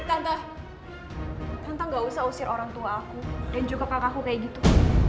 tante gak usah usir orang tua aku dan juga kakakku kayak gitu